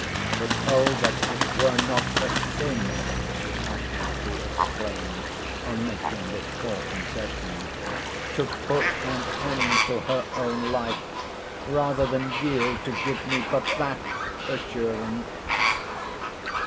But Oh! that it were not a sin, she passionately exclaimed on making this poor concession, to put and end to her own life, rather than yield to give me but that assurance!